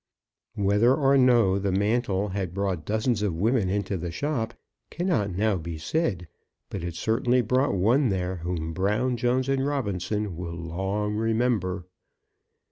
Whether or no the mantle had brought dozens of women into the shop, cannot now be said, but it certainly brought one there whom Brown, Jones, and Robinson will long remember.